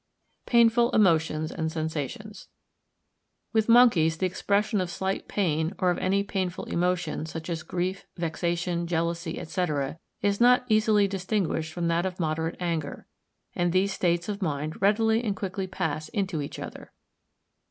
Painful emotions and sensations.—With monkeys the expression of slight pain, or of any painful emotion, such as grief, vexation, jealousy, &c., is not easily distinguished from that of moderate anger; and these states of mind readily and quickly pass into each other.